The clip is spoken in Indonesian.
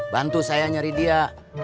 bantu saya nyari dia